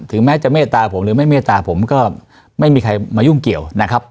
แม้จะเมตตาผมหรือไม่เมตตาผมก็ไม่มีใครมายุ่งเกี่ยวนะครับ